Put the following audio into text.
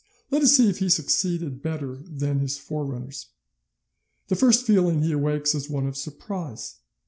Let us see if he succeeded better than his forerunners. The first feeling he awakes is one of surprise.